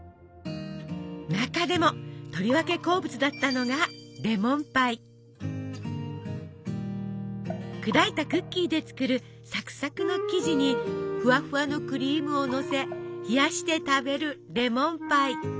中でもとりわけ好物だったのが砕いたクッキーで作るサクサクの生地にふわふわのクリームをのせ冷やして食べるレモンパイ。